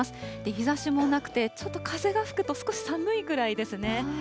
日ざしもなくて、ちょっと風が吹くと、少し寒いくらいですね。